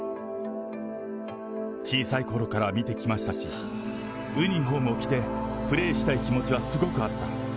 小さいころから見てきましたし、ユニホームを着てプレーしたい気持ちはすごくあった。